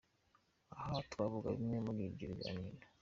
Aha twavuga bimwe muri ibyo biganiro :.